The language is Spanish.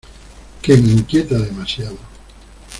que me inquieta demasiado.